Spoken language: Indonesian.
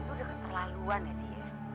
udah keterlaluan ya di